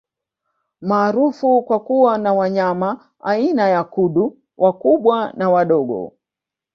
Maarufu kwa kuwa na wanyama aina ya Kudu wakubwa na wadogo